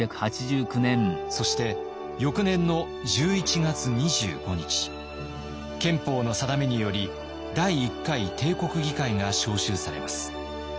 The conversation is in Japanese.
そして翌年の１１月２５日憲法の定めにより第１回帝国議会が召集されます。